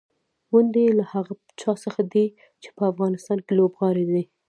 ونډې یې له هغه چا څخه دي چې په افغانستان کې لوبغاړي دي.